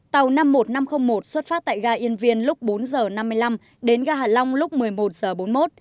tàu năm mươi một nghìn năm trăm linh một xuất phát tại ga yên viên lúc bốn h năm mươi năm đến ga hà long lúc một mươi một h bốn mươi một